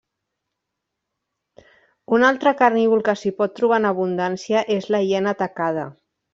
Un altre carnívor que s'hi pot trobar en abundància és la hiena tacada.